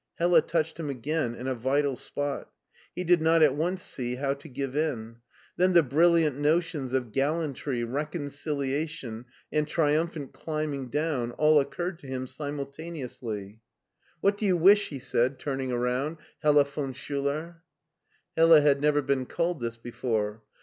Hella touched him again in a vital spot. He did not at once see how to give in. Then the brilliant notions of gallantry, reconciliation, and triumphant climbing down all occurred to him simultaneously. i64 MARTIN SChUlER "What do you wish/' he said, turning around, "Hella von Schiiler?" Hella had never been called this before.